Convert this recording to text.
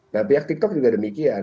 nah pihak tiktok juga demikian